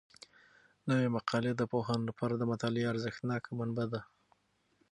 نوي مقالې د پوهانو لپاره د مطالعې ارزښتناکه منبع ده.